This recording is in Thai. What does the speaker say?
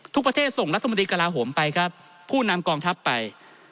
ทุกประเทศส่งรัฐมนตรีกระลาโหมไปครับผู้นำกองทัพไป